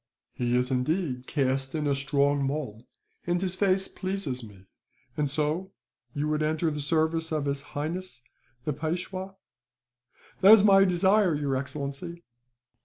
"He is indeed cast in a strong mould, and his face pleases me. "And so, you would enter the service of His Highness, the Peishwa?" "That is my desire, your excellency."